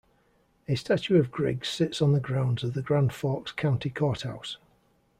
A statue of Griggs sits on the grounds of the Grand Forks County Courthouse.